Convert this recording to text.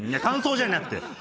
感想じゃなくて！